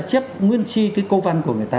chép nguyên chi cái câu văn của người ta